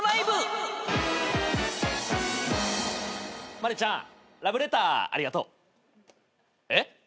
マリちゃんラブレターありがとう。えっ？